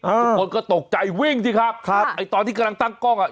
ทุกคนก็ตกใจวิ่งสิครับครับไอ้ตอนที่กำลังตั้งกล้องอ่ะ